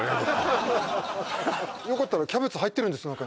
よかったらキャベツ入ってるんです